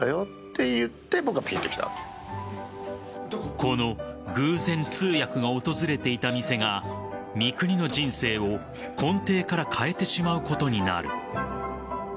この偶然、通訳が訪れていた店が三國の人生を根底から変えてしまうことになる。